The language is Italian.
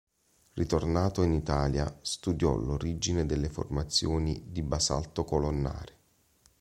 Ritornato in Italia, studiò l'origine delle formazioni di basalto colonnare.